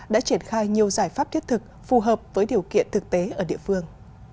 đã triển khai nhiều giải pháp thiết thực phù hợp với điều kiện thực tế ở địa phương